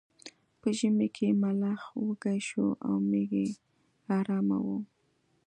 په ژمي کې ملخ وږی شو او میږی ارامه وه.